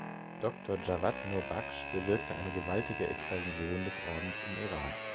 Doktor Javad Nurbakhsh bewirkte eine gewaltige Expansion des Ordens im Iran.